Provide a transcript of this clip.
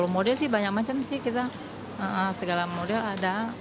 model sih banyak macam sih kita segala model ada